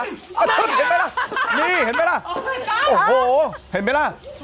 ประทุ่นเห็นไหมล่ะนี่เห็นไหมล่ะโอ้โหเห็นไหมล่ะ